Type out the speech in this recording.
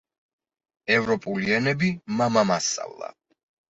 ევროპული ენები მამამ ასწავლა.